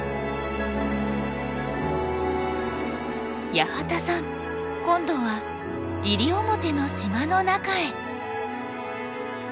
八幡さん今度は西表の島の中へ。